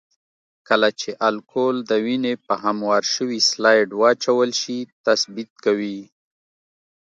کله چې الکول د وینې په هموار شوي سلایډ واچول شي تثبیت کوي.